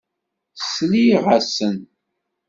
Sliɣ-asen.